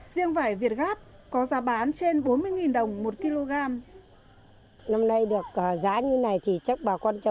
riêng vải việt gáp có giá bán trên bốn mươi đồng một kg